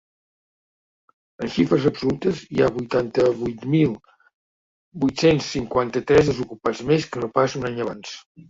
En xifres absolutes, hi ha vuitanta-vuit mil vuit-cents cinquanta-tres desocupats més que no pas un any abans.